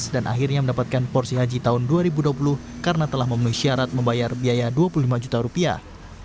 dan akhirnya mendapatkan porsi haji tahun dua ribu dua puluh karena telah memenuhi syarat membayar biaya dua puluh lima juta rupiah